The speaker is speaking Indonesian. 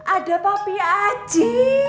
ada papi aji